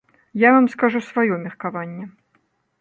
Я вам скажу сваё меркаванне.